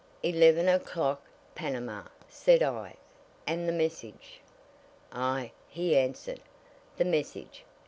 "Eleven o'clock Panama," said I. "And the message?" "Aye!" he answered, "the message.